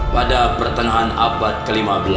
pada pertengahan abad ke lima belas